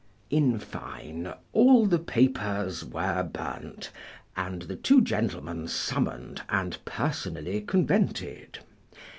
In fine, all the papers were burnt, and the two gentlemen summoned and personally convented.